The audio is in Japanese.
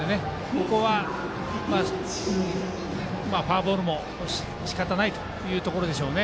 ここはフォアボールも仕方ないというところでしょうね。